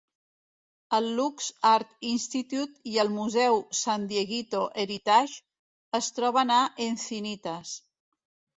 El Lux Art Institute i el museu San Dieguito Heritage es troben a Encinitas.